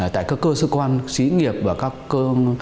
tại các cơ sở quan sĩ nghiệp và các tổ chức